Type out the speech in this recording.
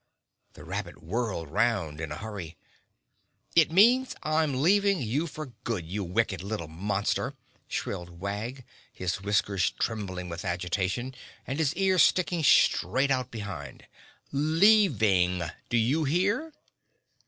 The rabbit whirled 'round in a hurry. "It means I'm leaving you for good, you wicked little monster!" shrilled Wag, his whiskers trembling with agitation and his ears sticking straight out behind. "Leaving—do you hear?"